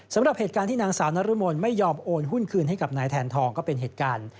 สำหรับเหตุการณ์ที่นางสาวนรมนไม่ยอมโอนหุ้นคืนให้กับนายแทนทองก็เป็นเหตุการณ์